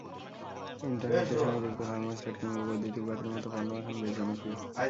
ইন্টারনেটের সঙ্গে যুক্ত থার্মোস্ট্যাট কিংবা বৈদ্যুতিক বাতির মতো পণ্যও এখন বেশ জনপ্রিয়।